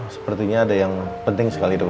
sepertinya ada yang penting sekali dok